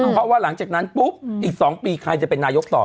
เพราะว่าหลังจากนั้นปุ๊บอีก๒ปีใครจะเป็นนายกต่อ